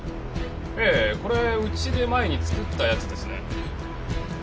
ええこれうちで前に作ったやつですね。